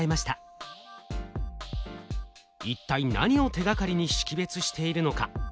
一体何を手がかりに識別しているのか？